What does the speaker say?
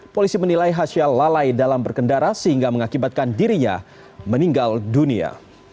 polisi menilai hasya lalai dalam berkendara sehingga mengakibatkan dirinya meninggal dunia